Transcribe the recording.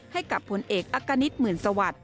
ให้กับผลเอกอักกณิตหมื่นสวัสดิ